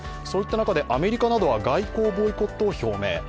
そういった中でアメリカなどは外交的ボイコットを表明。